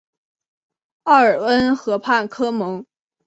奥尔恩河畔科蒙。